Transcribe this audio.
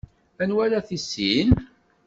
Anwa ara tissin?